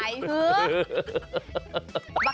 ยุสัยเหรอ